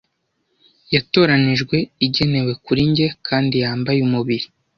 Yatoranijwe, igenewe kuri njye kandi yambaye umubiri